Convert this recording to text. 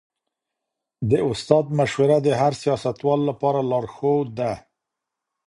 د استاد مشوره د هر سياستوال لپاره لارښود ده.